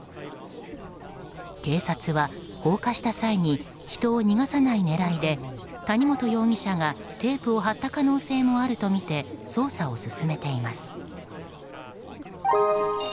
警察は放火した際に人を逃がさない狙いで谷本容疑者がテープを貼った可能性もあるとみて捜査を進めています。